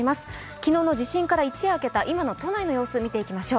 昨日の地震から一夜明けた都内の状況を見ていきましょう。